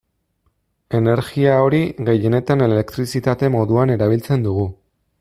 Energia hori gehienetan elektrizitate moduan erabiltzen dugu.